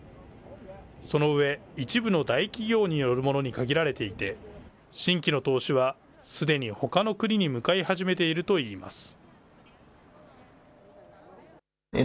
その上、一部の大企業によるものに限られていて、新規の投資はすでにほかの国に向かい始めているといいます。